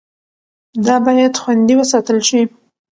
دا باید خوندي وساتل شي.